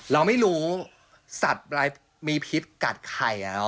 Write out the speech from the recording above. เราไม่รู้สัตว์อะไรมีพิษกัดไข่